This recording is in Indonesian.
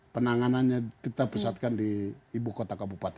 penanganannya kita pusatkan di ibu kota kabupaten